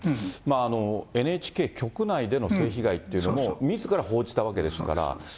ＮＨＫ局内での性被害っていうのも、みずから報じたわけですから。